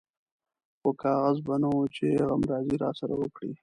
خو کاغذ به نه و چې غمرازي راسره وکړي.